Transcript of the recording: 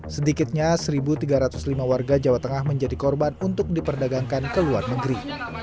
sedikitnya satu tiga ratus lima warga jawa tengah menjadi korban untuk diperdagangkan ke luar negeri